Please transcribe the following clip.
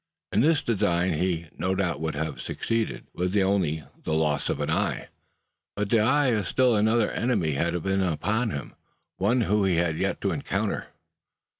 In this design he, no doubt, would have succeeded, with only the loss of an eye; but the eye of still another enemy had been upon him one whom he had yet to encounter.